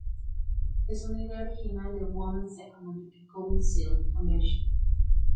Es una idea original de la Women's Economic Council Foundation, Inc.